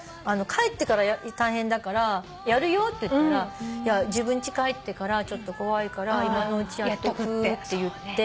帰ってから大変だからやるよって言ったら「自分ち帰ってから怖いから今のうちやっとく」って言って。